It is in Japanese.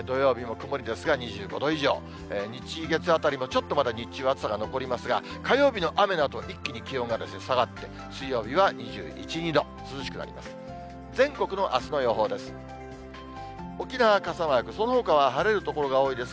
日、月あたりもちょっとまだ日中暑さが残りますが、火曜日の雨のあと、一気に気温が下がって、水曜日は２１、２度、涼しくなります。